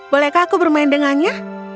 bolehkah aku bermain dengannya